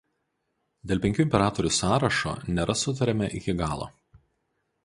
Dėl penkių imperatorių sąrašo nėra sutariama iki galo.